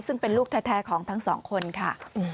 ซึ่งเป็นลูกแท้ของทั้งสองคนค่ะ